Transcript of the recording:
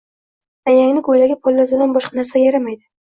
Ayangni koʻylagi pollattadan boshqa narsaga yaramaydi.